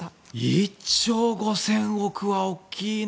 １兆５０００億円は大きいな。